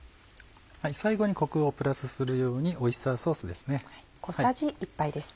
最後にコクをプラスするようにオイスターソースです。